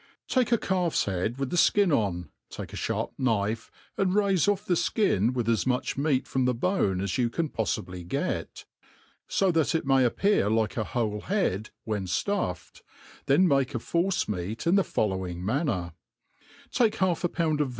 TAKE a «alP« head with the fttn on, take a fliarp knift and raife off the (kin with ai much meat from the bone aa you C3n poffibly get, fo that it may appear like a whole head when fluffed, then make a foFce meat in the following manner: take half a pound of.